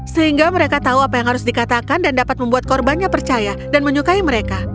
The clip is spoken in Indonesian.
sehingga mereka tahu apa yang harus dikatakan dan dapat membuat korbannya percaya dan menyukai mereka